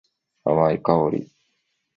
甘い香り。